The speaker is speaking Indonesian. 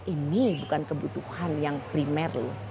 ini bukan kebutuhan yang primal